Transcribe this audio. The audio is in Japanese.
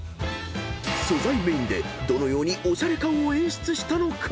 ［素材メインでどのようにおしゃれ感を演出したのか］